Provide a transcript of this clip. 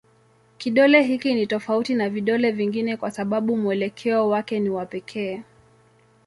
Kidole hiki ni tofauti na vidole vingine kwa sababu mwelekeo wake ni wa pekee.